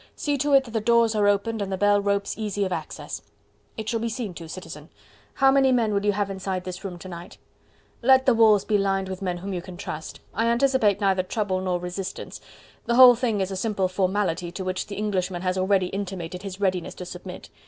See to it that the doors are opened and the bell ropes easy of access." "It shall be seen to, Citizen. How many men will you have inside this room to night?" "Let the walls be lined with men whom you can trust. I anticipate neither trouble nor resistance. The whole thing is a simple formality to which the Englishman has already intimated his readiness to submit.